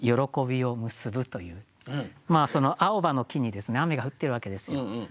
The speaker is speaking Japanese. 青葉の木に雨が降ってるわけですよ。